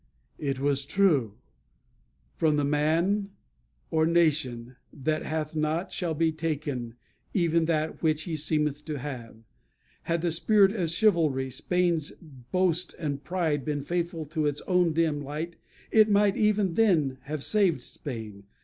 It was true. From the man, or nation, "that hath not," shall be taken "even that which he seemeth to have." Had the spirit of chivalry, Spain's boast and pride, been faithful to its own dim light, it might even then have saved Spain.